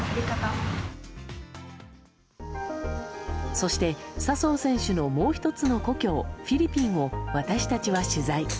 そして、笹生選手のもう１つの故郷フィリピンを、私たちは取材。